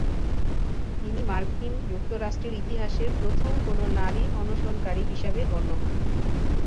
তিনি মার্কিন যুক্তরাষ্ট্রের ইতিহাসে প্রথম কোনো নারী অনশনকারী হিসেবে গণ্য হন।